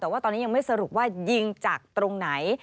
แต่ว่าตอนนี้ยังไม่สรุปว่ายิงจากตรงไหน